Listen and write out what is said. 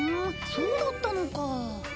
そうだったのか。